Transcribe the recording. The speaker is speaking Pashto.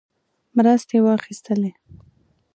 مرستې واخیستلې.